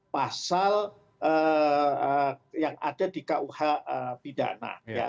pasal yang ada di kuh pidana